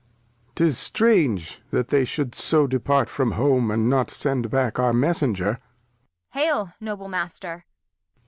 Lear. 'Tis strange that they should so depart from Home, And not send back our Messenger.